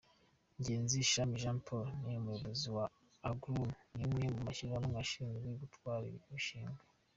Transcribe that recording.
Ngenzi Shami Jean Paul, ni umuyobozi wa Agruni, rimwe mu mashyiraramwe ashinzwe gutwara ibishingwe.